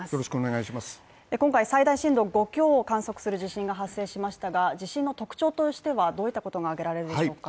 今回、最大震度５強を観測する地震が発生しましたが地震の特徴としてはどういったことが挙げられるでしょうか？